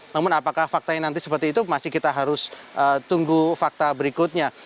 namun apakah faktanya nanti seperti itu masih kita harus tunggu fakta berikutnya